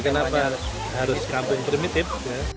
kenapa harus kampung primitif